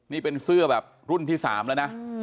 นี่เป็นเสื้อแบบรุ่นที่๓แล้วนะ